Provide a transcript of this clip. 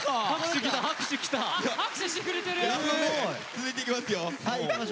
続いていきますよ。